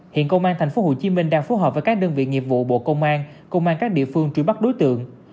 hiện công an tp hcm đang phối hợp với các đơn vị nghiệp vụ bộ công an công an các địa phương truy bắt đối tượng